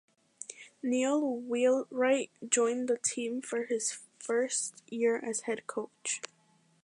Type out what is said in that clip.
Neil Wheelwright joined the team for his first year as head coach.